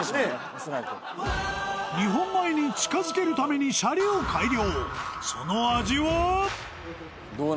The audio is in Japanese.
おそらく日本米に近づけるためにシャリを改良